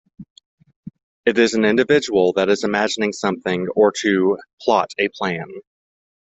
It is an individual that is imagining something or to plot a plan.